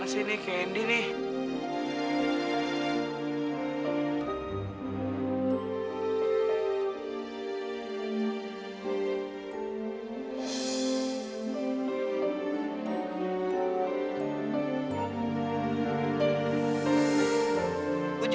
dia balik segala roda